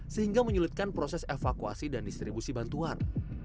sehingga menyulitkan proses evakuasi dan distribusi bantuan